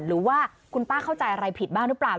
หรือว่าคุณป้าเข้าใจอะไรผิดบ้างหรือเปล่า